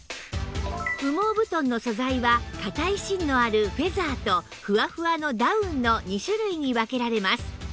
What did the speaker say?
羽毛布団の素材は硬い芯のあるフェザーとふわふわのダウンの２種類に分けられます